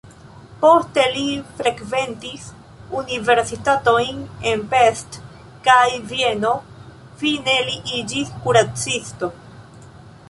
Poste li frekventis universitatojn en Pest kaj Vieno, fine li iĝis kuracisto.